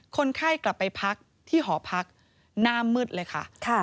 คนไข้กลับไปพักที่หอพักหน้ามืดเลยค่ะ